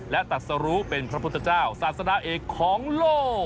และตัดสรุเป็นพระพุทธเจ้าศาสดาเอกของโลก